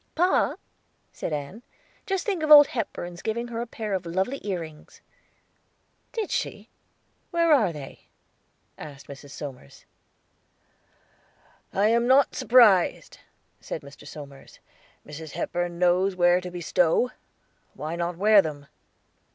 "Pa," said Ann, "just think of Old Hepburn's giving her a pair of lovely ear rings." "Did she? Where are they?" asked Mrs. Somers. "I am not surprised," said Mr. Somers. "Mrs. Hepburn knows where to bestow. Why not wear them?"